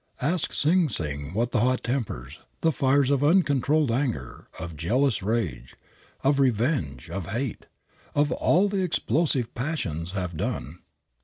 Ask Sing Sing what the hot tempers, the fires of uncontrolled anger, of jealous rage, of revenge, of hate, of all the explosive passions have done.